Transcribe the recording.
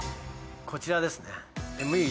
こちらですね